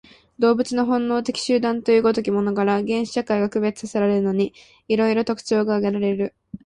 動物の本能的集団という如きものから、原始社会が区別せられるのに、色々特徴が挙げられる。